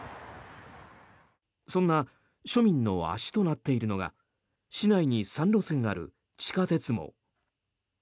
そんな庶民の足となっているのが市内に３路線ある地下鉄網。